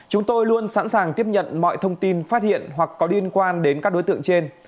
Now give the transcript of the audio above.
chúng tôi luôn sẵn sàng tiếp nhận mọi thông tin phát hiện hoặc có liên quan đến các đối tượng trên